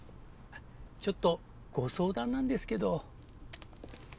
ちょっとご相談なんですけど。